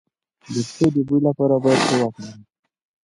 د پښو د بوی لپاره باید څه وکړم؟